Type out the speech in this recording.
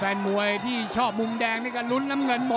ฝ่ายทั้งเมืองนี้มันตีโต้หรืออีโต้